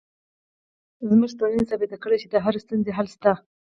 زموږ ټولنې ثابته کړې چې د هرې ستونزې حل شته